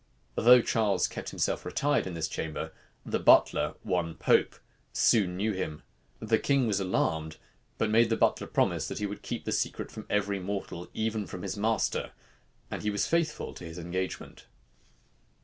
Though Charles kept himself retired in this chamber, the butler, one Pope, soon knew him: the king was alarmed, but made the butler promise that he would keep the secret from every mortal, even from his master; and he was faithful to his engagement.